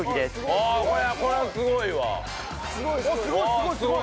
すごいすごいすごい！